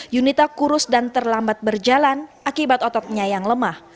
yunita kurus dan terlambat berjalan akibat ototnya yang lemah